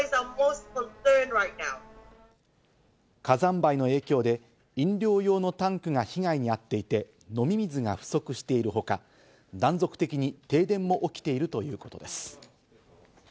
火山灰の影響で飲料用のタンクが被害にあっていて、飲み水が不足しているほか、断続的に停電も起きているということです。